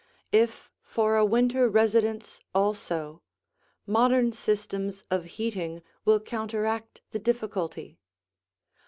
If for a winter residence also, modern systems of heating will counteract the difficulty.